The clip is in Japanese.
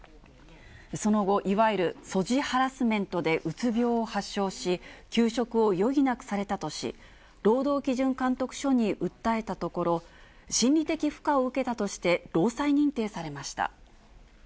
その後、いわゆるソジハラスメントでうつ病を発症し、休職を余儀なくされたとし、労働基準監督署に訴えたところ、心理的負荷を受けたとして、労災認定されました。